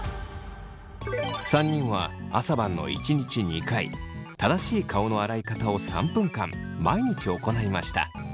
３人は朝晩の１日２回正しい顔の洗い方を３分間毎日行いました。